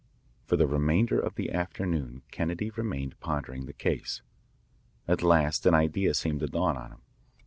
For the remainder of the afternoon Kennedy remained pondering the case. At last an idea seemed to dawn on him.